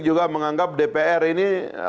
juga menganggap dpr ini